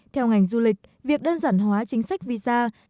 theo ngành du lịch việc đơn giản hóa chính sách visa